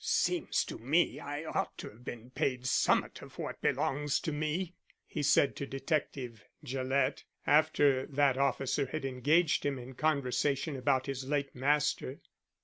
"Seems to me I ought to have been paid some'et of what belongs to me," he said to Detective Gillett, after that officer had engaged him in conversation about his late master.